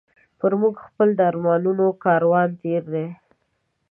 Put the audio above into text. پر موږ خپل د ارمانونو کاروان تېر دی